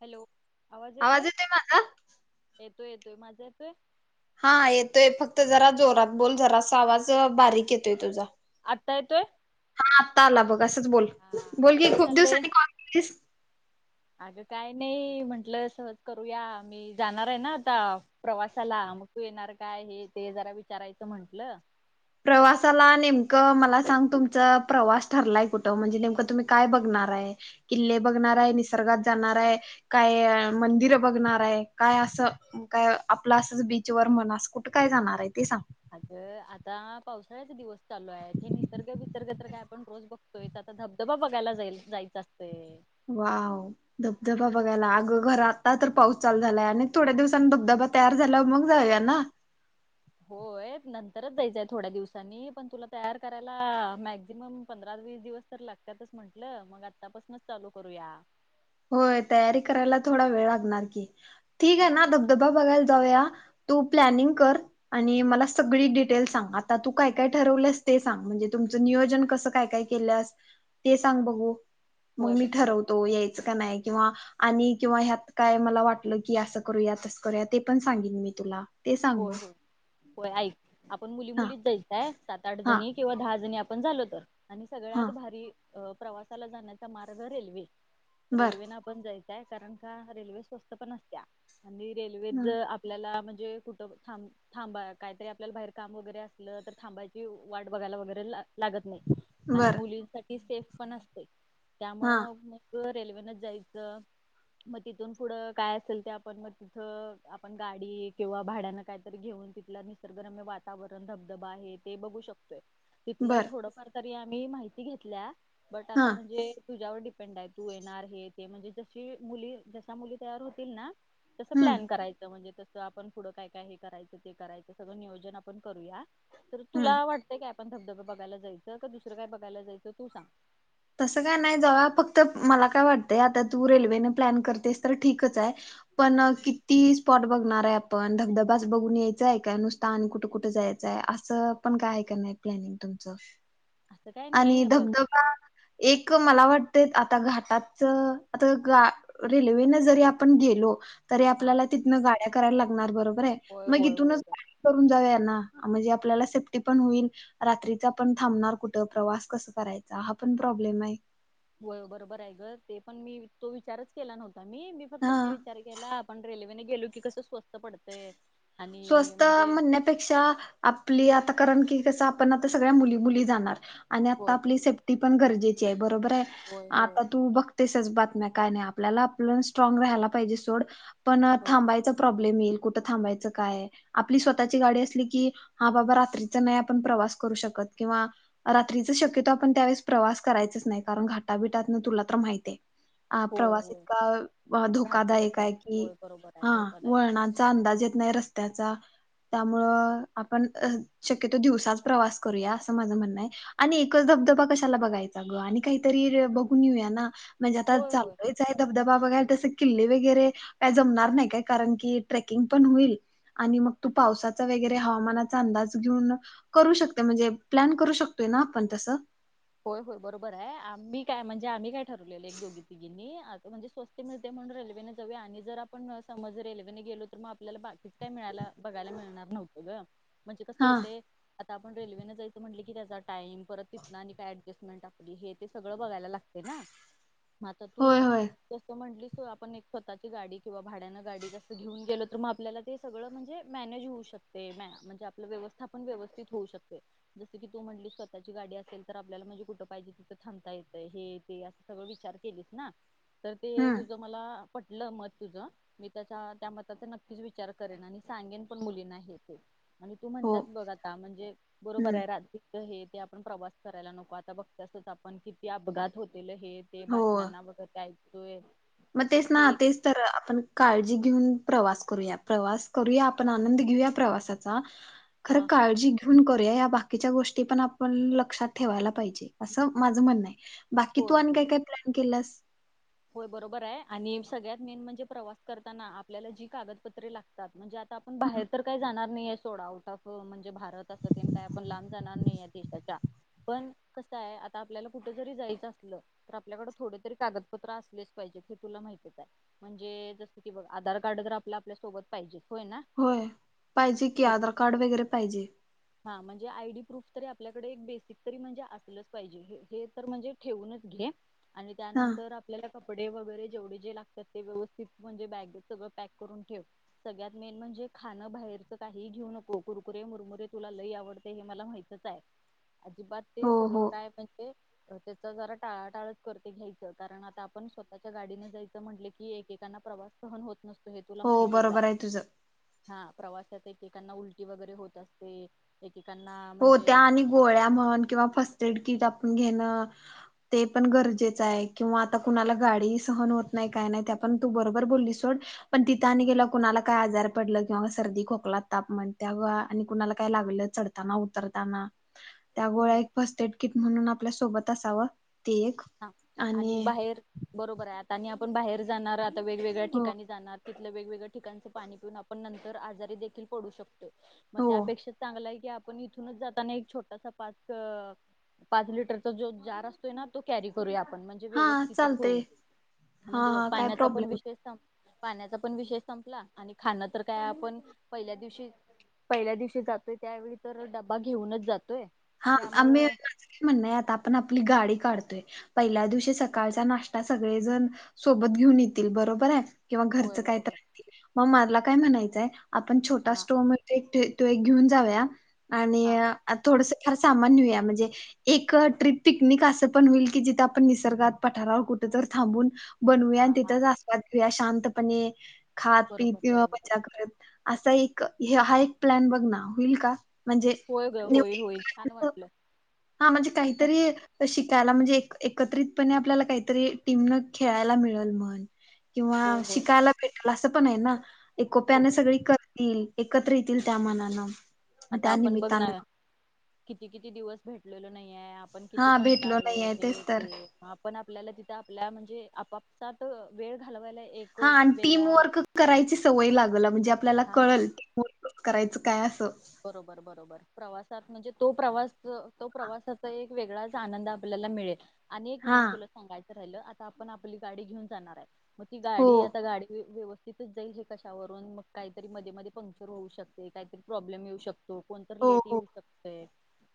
Hello आवाज येतोय, येतोय येतोय माझा येतोय हा येतोय फक्त जरा जोरात बोल, जरासं आवाज बारीक येतोय तुझा. आत्ता येतोय. हा आता आला बघ असंच बोल, हा बोलकी काय खूप चाललंय दिवसांनी कॉल केलीस अगं काय नाही म्हंटलं सहज करूया, मी जाणार आहे ना आता प्रवासाला, मग तू येणार काय हे ते जरा विचारायचं म्हटलं प्रवासाला, नेमकं मला सांग तुमचां प्रवास ठरलाय कुठं, म्हणजे नेमकं तुम्ही काय बघणाराय? किल्ले बघणार हाय, निसर्गात जाणाराय काय मंदिरं बघणार हाय काय असं काय आपलं असंच बीचवर मना, कुठं काय जाणार आहे ते सांगा. आगं आता पावसाळ्याचे दिवस चालू आहेत, हे निसर्ग बीसर्ग तर काय आपण रोज बघतोय, तर आता धबधबा बघायला जाईल जायचा असतय. वाव, धबधबा बघायला, अगं खरं आता तर पाऊस चालू झालाय आणि थोड्या दिवसांन धबधबा तयार झाल्यावर मग जाऊया ना. होय नंतरच जायचंय थोड्या दिवसांनी, पण तुला तयार करायला मॅक्झिमम पंधरा वीस दिवस तर लागत्यातच म्हटलं, मग आत्ता पासुनच चालू करूया. होय तयारी करायला थोडा वेळ लागणार की, ठीक आहे ना धबधबा बघायला जाऊया तू प्लॅनिंग कर आणि मला सगळी डिटेल सांग, आता तू काय काय ठरवलेस ते सांग, म्हणजे तुमचं नियोजन कसं काय काय ल्यास ते सांग बघू, मग होय मी बघा बघ ठरवतो यायचं का नाही ते, किंवा आणि किंवा ह्यात काय मला वाटलं की असं करू या तसं करूया, ते पण सांगेन मी तुला. ते सांग मग होय होय होय ऐक, आपण मुली हा मुलीच जायचंय, सात आठ हा जणी किंवा दहा जणी आपण झालो तर, आणि हा सगळ्यात भारी अ प्रवासाला जाण्याचा मार्ग रेल्वे,, बर रेल्वे नं आप पण जायचय, कारण का रेल्वे स्वस्त पण असत्या, आणि रेल्वेेत आपल्याला म्हणजे कु त थांब थांबा, काहीतरी आपल्याला बाहेर काम वगैरे असलं तर, थांबायची वाट बघायला वगैरे लागत नाही. आणि बर मुलींसाठी सेफ पण असतय, हा त्यामुळं मग मग रेल्वेनच जायचं मग तिथून पुढं काय असेल ते आपण मग, तिथं आपण गाडी किंवा भाड्याना काहीतरी घेऊन, तिथला निसर्गरम्य वातावरण धबधबा आहे ते बघू शकतोय. तिथलं बर थोडंफार तरी आम्ही माहिती घेतल्या, बट हा आता म्हणजे तुझ्यावर डि पेंड हाय तू येणार हे ते, म्हणजे जशा मुली जसा मुली तयार होतील ना तसं हम्म प्लॅन करायचं म्हणजे तसं आपण पुढ काय काय हे करायचं, ते करायच सगळं नियोजन आपण करूया, तर तुला हम्म काय वाट पण धबधबबा बघायला जायंच का दुसरं काय बघायला जायचं तू सांग. तसं काय नाही जाऊया, फक्त मला काय वाटतंय आता तू रेल्वेने प्लॅन करतेस तर ठीकच आहे पण किती स्पॉट बघणार हाय आपण,, धबधबाच बघून यायचंय का नुसता आणि कुठे कुठे जायचंय, असं पण काय हाय का नाही. प्लॅनिंग तुमच असं काय आणि नाही बघ धबधबा एक मला वाटतय, आता घाटाच आता गा रेल्वेन जरी आपण गेलो तरी हा आपल्याला तिथन गाड्या करायला लागणार बरोबर आहे, होय मग होय होय. इथूनच बघ करून जाऊया ना, म्हणजे आपल्याला सेफ्टी पण होईल रात्रीचा आपण थांबणार कुठं, प्रवास कसं करायचा, हा पण प्रॉब्लेम आहे हो बरोबर आहे ग, ते पण मी तो विचारच केला नव्हता मी, मी फक्त हा काय विचार केला, आपण रेल्वेने गेलो की कसं स्वस्त पडतंय आणि स्वस्त म्हणजे म्हणण्या पेक्षा आपली आता कारण की कसं आपण आता सगळ्या मुली मुली जाणार, आणि आता होय आपली बरोबर सेफ्टी पण गरजेची आहे बरोबर आहे, होय होय आता तू बघ तसच बातम्या काय नाही, आपल्याला आपण स्ट्राग राहायला पाहिजे सोड पण होय थांबायचा प्रॉब्लम येईल, कुठं थांबायचं काय, आपली स्वतःची गाडी असली की, हा बाबा रात्रीच नाही आपण प्रवास करू शकत, किंवा रात्रीच शक्यतो आपण त्यावेेळेस प्रवास करायचच नाही, कारण घाटाबिटात ना तुला तर माहित आहे हा होय प्रवास होय इतका घातकच धोकादायक आहे कि, होय बरोबर आहे हा धोकादायक आहे वळणं चा अंदाज येत नाही रस्त्याचा त्यामुळं आपण शक्यतो दिवसाच प्रवास करूया, असं माझं म्हणणं आहे आणि एकच धबधबा कशाला बघायचा ग, आणि काहीतरी बघून येऊया ना, म्हणजे आता होय होय चाललोय धबधबा बघाय तसे किल्ले वगैरे का जमणार नाही काय, कारण की ट्रेकिंग पण होईल आणि मग तू आता पावसात वगैरे हवामानाचा अंदाज घेऊन करू शकतोय म्हणजे, प्लॅन करू शकतोय ना आपण तसं होय होय बरोबर आहे, आम्ही काय म्हणजे आम्ही काय ठरवलेलं एक दोघी तिघींनी, म्हणजे स्वस्त मिळतय म्हणून रेल्वेनं जाऊया, आणि जर आपण समज रेल्वेने गेलो तर मग आपल्याला बाकीच काय मिळायला बघायला मिळणार नव्हतं ग, म्हणजे कसं हा होतय आता आपण रेल्वेनें जायचं म्हटलं की त्याचा टाइम, परत ति आणि एडस्टमेंट आसली हे ते सगळं बघायला लागतय ना, मग आता होय तू होय जसं म्हंटलीस तु, आपण एक स्वतःची गाडी किंवा भाड्यानं गाडी जसं घेऊन गेलो, तर मग आपल्याला ते सगळं म्हणजे मॅनेज होऊ शकतय, म्हणजे आपलं व्यवस्थापण व्यवस्थित होऊ शकतय. जसं की तू म्हटली स्वतःची गाडी असेल- तर आपल्याला म्हणजे कुठं पाहिजे तिथं थांबता येतय, हे ते असं सगळं विचार केलीस ना- तर ते हम्म तुझं मला, पटलं मत तुझं. मी त्याच्या त्या मताचा नक्कीच विचार करेन, आणि सांगेन पण मुलींना हे ते- आणि तू हो म्हणत्यास बघ आता, म्हणजे बरोबर हम्म आहे, रात्री च हे ते आपण प्रवास- करायला नको, आता बघत्यास आपण किती अपघात होतील हे ते हो बातम्यांना बघत हाय- तोय मग तेच ना, तेच तर आपण काळजी घेऊन प्रवास करूया, प्रवास करूया आपण आनंद घेऊया प्रवासाचा [unintelligible] खरं काळजी घ- ऊन करूया, या बाकीच्या गोष्टी पण आपण लक्षात ठेवायला पाहिजे, असं माझं म्हणण आहे. बाकी तू होय आणि होय काय काय प्लॅन केल्यास? होय बरोबर आहे, आणि सगळ्यात मेन म्हणजे, प्रवास करताना आपल्याला जी कागदपत्रे लागतात, म्हणजे आ- आपण बाहेर तर काही जाणार नाही ये - थोडा आउट ऑफ, म्हणजे भारत अस ते काय आपण लांब जाणार नाही ये देशाच्या- पण कसं आहे, आता आपल्याला कुठे जरी जायचं असलं, तर आपल्याकडे थोड तरी कागद- कागदपत्र असलेच पाहिजे, ते तुला माहितीच हाय,, म्हणजे जसं की बघ, आधार कार्ड जर आपल आपल्याोबत- पाहिजे होय ना- होय, पाहिजे कि आधार कार्ड वगैरे पाहिजे. हा, म्हणजे आय डी प्रूफ तरी आपल्याकडे एक बेसिक तरी म्हणजे असेलच पाहिजे, हे हे तर म्हणजे- ठेवूनच घे, आणि हा त्यानंतर- आपल्याला कपडे वगैरे जेवढे, जे लागतात ते व्यवस्थित म्हणजे बॅगेत सगळं पॅक करून ठेव. सगळ्यात मेन म्हणजे खाणं बाहेरचं काही घेऊ नको, कुरकुे मुरमुुरे तुला लय आवडत ते हे मला माहितच हाय, अजिबात- हो ते हो सगळं काय म्हणजे, त्याचा जरा टळा टाळचं कर ते घ्यायचं, कारण आ - आता आपण स्वतःच्या गाडीनं जायचं म्हटलं की, एकेकाांना प्रवास सहन होत नसतोय तं हे तुला हो माहितच हाय, बरोबर आहे तुझं हा, प्रवासात एकेकांना उलटी वगैरे होत असते- एकेकांना- हो म्हणजे त्या आणि गोळ्या म्हण किंवा फर्स्ट एड किट आपण घेणं- ते पण गरजेचं आहे, किंवा आता कुणाला गाडी ही सहन होत नाही, काय नाही त्या- पण तू बरोबर बोललीस सोड, पण तिथं आणी गेल्याव कुणाला- काय आजार पडलं किंवा सर्दी खोकला तापमान त्या आणि कुणाला काय लागलं जर - चढताना उतरताना, त्या गोळ्या हम्म एक फर्स्ट एड किट म्हणून आपल्या सोबत असावं, ते एक- हा आणि बाहेर, बरोबर आहे आता आणि आपण बाहेर जाणार आता वेगवेगळ्या हो ठिकाणी जाणार- तिथलं वेगवेगळ्या ठिकाणचे पाणी पिऊन आपण नंतर आजारी देखील पडू शकतो. मग हो त्यापेक्षा चांगलं आहे की- आपण इथूनच जाताना एक छोटासा पाच, पाच लिटरचा जो छोटासा जार असतोय ना- तो कॅरी करूया आपण, म्हणजे हा व्यवस्थितच चालतय होईल, हा म्हणजे हा काय पाण्याचा प्रॉब्लेम पण विषय संप- पाण्याचा पण विषेय संपला, आणि खाणं तर काय आपण, पहिल्या दिवशी- पहिल्या दिवशी जातोय त्यावेळी तर डबा घेऊनच जातोय. हा, आम्ही त्यामुळं मांझ कसं म्हणणय आता आपण आपली गाडी काढतोय- पहिल्या दिवशी सकाळचा नाश्ता सगळे जण सोबत घेऊन येतील, बरोबर आहे- किंवा होय घरचं काय बरोबर तर आणतील, मग मला काय म्हणायचंय आपण छोटा हा स्टोव मिळ- तो एक तो एक घेऊन जाऊया, आणि हा अ थोडस फार सामान नेऊया म्हणजे- एक अ ट्रीप पिकनिक असं पण होईल की जिथं, आपण निसर्गात पठारावर कुठ तर थांबून- बनवूया हा आणि हा तिथंच आस्वाद घेऊया, शांतपणे खात पीत बरोबर किंवा बरोबर मज्जा करत- असा एक, हा एक प्लॅन बघ ना होईल का, म्हणजे- होय ग होईल होईल छान वाटलं हा म्हणजे काहीतरी- शिकायला, म्हणजे एक एकत्रितपणे आपल्याला काहीतरी टीमनं खेळायला मिळेल म्हण. किंवा होय होय शिकायला भेटल, असं पण आहे ना एकोप्याने होय सगळी कर- तील एकत्र येतील त्या मनानं- आता त्या आपण बघ ना, निमित्तानं किती किती दिवस भेटलेलो नाही आहे- आपण किती हा भेटलो नाही कंटाळलोय आहे हे तेच तर ते आपण आपल्याला तिथं आपल्या म्हणजे, आपापसात वेळ घालवायला एक हा, आणि टीम वेगळा वर्क करायची सवय लागल, म्हणजे आपल्याला हा कळल करायचं काय असं. बरोबर बरोबर, प्रवासात म्हणजे तो प्रवास तो प्रवासाचा एक वेगळाच आनंद आपल्याला मिळेल. आणि एक हा मेन तुला सांगायचं राहिलं आता आपण आपली गाडी घेऊन जाणार आहे,. मग ती हो गाडी आता गाडी व्यवस् तिथच जाईल हे कशावरून, मग काहीतरी मध्ये मध्ये पंक्चर होऊ शकते, काहीतरी प्रॉब्लेम येऊ शकतय तो कोणतरी हो लेट हो येऊ शकतय.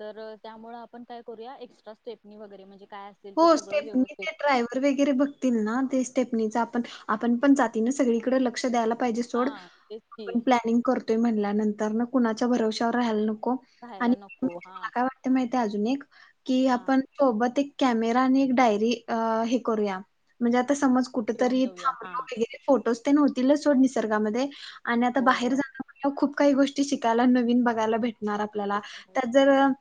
तर त्यामुळे आपण काय करूया, एक्स्ट्रा स्ट्रेपनी वगैरे म्हणजे काय अस हो, स्टेपनी ते ड्रायवर वगैरे बघतील ना ते स्टेपनीच, आपण आपण पण जाती सगळीकडे लक्ष द्यायला पाहिजे सोड. हा तेच की आपण प्लानिंग करतोय म्हणल्यानंतर कुणाच्या भरवश्यावर राहायला नको. राहायला आणि नको हा मला काय वा माहितीहे अजून एक, की हा आपण सोबत एक कॅमेरा आणि एक डायरी अं हे करूया, म्हणजे आता समज कुठ ठेऊन तरी जाऊया हा थांबलो वगैरे, फोटोज ते होतीलच सोड निसर्गामध्ये, आणि आता होय बाहेर होय जाण खूप काही गोष्टी शिकायला, नवीन बघायला, भेटणार आपल्याला होय त्यात जर होय बरोबर.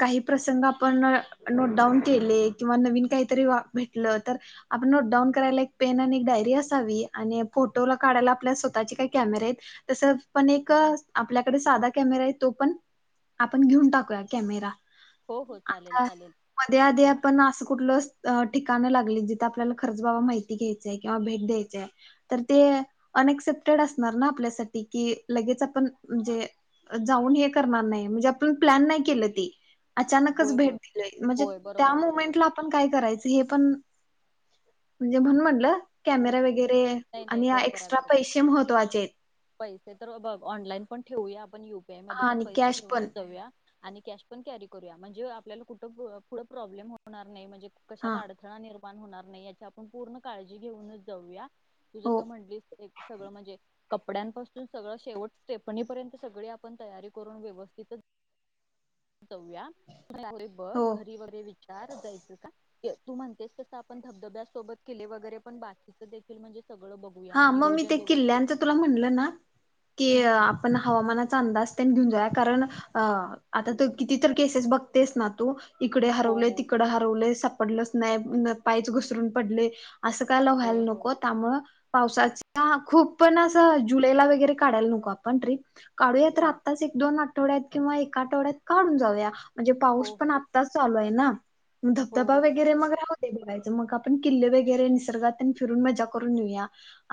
काही प्रसंग आपण अ नोटडाऊन केले, किंवा नवीन काहीतरी वाक्य भेटलं तर आपण नोटडाऊन करायला एक पेन आणि एक डायरी असावी. आणि फोटोला काढायला आपल्या स्वतःचे काही कॅमेरे तस पण एक, आपल्याकडे साधा कॅमेरा आहे तो पण आपण घेऊन टाकूया कॅमेरा. हो हो चालेल, चालेल. त्या आधी आपण असं कुठलं ठिकाणं लागली, जिथे आपल्याला खरच बाबा माहिती घ्यायचय, किंवा भेट द्यायचीय तर ते अनएक्सेप्टेड असणार ना आपल्यासाठी, कि लगेच आपण म्हणजे जाऊन हे करणार नाही, म्हणजे आपण प्लॅन नाही केलं ते अचानकच होय भेट होय दिलय. म्हणजे होय त्या बरोबर बरोबर मुमेंटला आपण काय करायचं हे पण, म्हणजे म्हणून म्हणलं हो कॅमेरा होय वगैरे, नाही नाही आणि बरोबर आहे एक्स्ट्रा बरोबर पैसे महत्त्वाचेत. पैसे तर बघ, ऑनलाईन पण ठेवूया आपण युपीआय मध्ये हा पण आणि पैसे कॅश पण घेऊनच जाऊया. आणि कॅश पण कॅरी करूया, म्हणजे आपल्याला कुठं पुढं प्रॉब्लेम होणार नाही. म्हणजे कशात हा अड अडथळा निर्माण होणार नाही याची आपण पूर्ण काळजी घेऊनच जाऊया. तू हो जसं म्हणलीस सगळं म्हणजे कपड्यांपासून सगळं शेवट स्टेपणीपर्यंत सगळी आपण तयारी करून व्यवस्थितच जाऊया. बघ हो घरी वगैरे विचार जायचं का तू म्हणतेस तसं आपण धबधब्यासोबत किल्ले वगैरे पण बाकीचं देखील म्हणजे सगळं बघ हा, मग मी ते किल्ल्यांचं तुला म्हणलं ना, की हम्म अं हम्म आपण हवामानाचा अंदाज घेऊन जा. कारण आ आता तर किती तर केसेस बघतेस ना तू. इकडे हो हरवलय, हो तिकड हरवलय, सापडलच नाही, पायच घसरून पडलय. अस कायला होय व्हायला होय नको. त्यामुळ पावसाचा हां खूप पण अस जुलैला वगैरे काढायला नको आपण ट्रिप. काढूया तर हा आत्ताच एक दोन आठवड्यात किंवा एका आठवड्यात काढून जाऊया. म्हणजे पाऊस हो पण हो आ आत्ताच चालू आहे ना हो धबधबा बरोबर वगैरे बरोबर मग [unintelligible] ते बघायच मग आपण किल्ले वगैरे निसर्गात आणि फिरून मजा करून येऊया.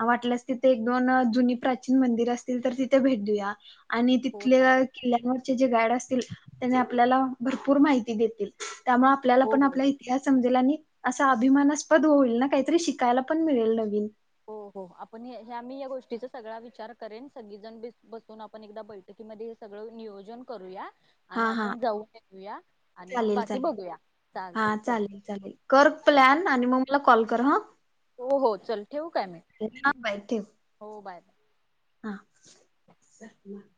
वाटल्यास तिथे एक - दोन जुनी प्राचीन मंदिर असतील तर तिथे भेट देऊया. आणि हो तिथल्या चालेल किल्ल्यांवर जे जे गाईड असतील त्यांनी आपल्याला भरपूर माहिती देतील. त्यामुळे आपल्याला हो पण हो आप इतिहास समजेल आणि असा अभिमानास्पद होईल ना, काहीतरी शिकायला पण मिळेल नवीन. हो हो आपण ह्या मी या गोष्टीचा सगळा विचार करेन सगळीजण बसून आपण एकदा बै बैठकीमधे हे सगळं नियोजन करूया. आणि हा हा आपण जाऊन येऊया आणि मग चालेल बाकी चालेल बघूया हा चालतय चल. चालेल कर प्लॅन आणि मग मला कॉल कर हं. हो हो चल ठेवू काय मी? हो बाय. हां